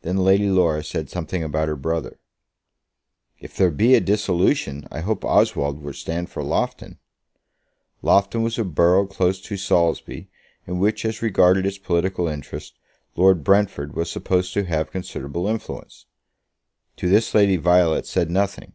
Then Lady Laura said something about her brother. "If there be a dissolution, I hope Oswald will stand for Loughton." Loughton was a borough close to Saulsby, in which, as regarded its political interests, Lord Brentford was supposed to have considerable influence. To this Violet said nothing.